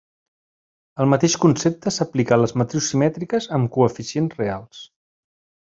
El mateix concepte s'aplica a les matrius simètriques amb coeficients reals.